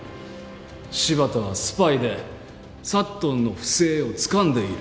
柴田はスパイでサットンの不正をつかんでいる。